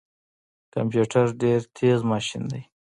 کمپيوټر ډیر تیز ماشین دی